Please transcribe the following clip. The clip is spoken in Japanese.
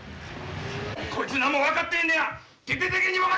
こいつ何も分かってへんのや。